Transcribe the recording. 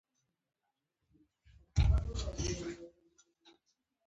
نوې وسایط ژوند چټک کوي